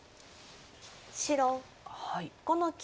白５の九。